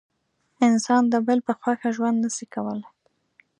انسان د بل په خوښه ژوند نسي کولای.